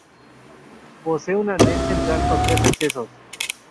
Posee un anden central con tres accesos.